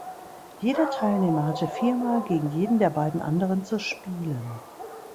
Jeder Teilnehmer hatte viermal gegen jeden der beiden anderen zu spielen.